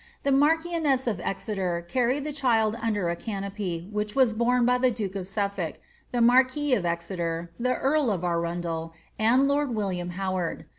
The marchioness of Exeter^ carried tlie child under a canopy, which was borne by the duke of Suffolk, the marquis of Exeter, the earl of Arundel, and lord William Howard.